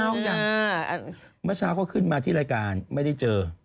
กินข้าวอย่างเมื่อซาวเขาขึ้นมาที่รายการไม่ได้เจอ